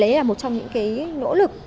lấy là một trong những nỗ lực